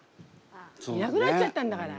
いなくなっちゃったんだから。